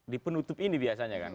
dipenutup ini biasanya kan